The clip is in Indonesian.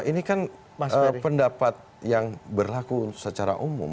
ini kan pendapat yang berlaku secara umum